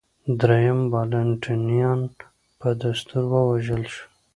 درېیم والنټینیان په دستور ووژل شو